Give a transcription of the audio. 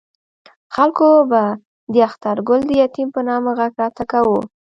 خلکو به د اخترګل د یتیم په نامه غږ راته کاوه.